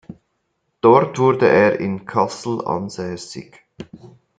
Dort wurde er in Kassel ansässig.